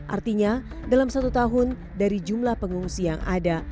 artinya dalam satu tahun dari jumlah pengungsi yang ada